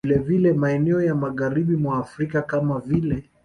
Vilevile maeneo ya Magharibi mwa Afrika kama vile